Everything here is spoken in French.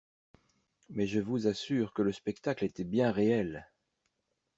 Mais je vous assure que le spectacle était bien réel.